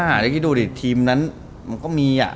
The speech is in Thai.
เมื่อกี่ดูดีทีมนั้นก็มีอะ